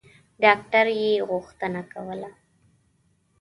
ډاکټر یې غوښتنه کوله.